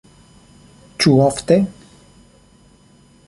Ofte?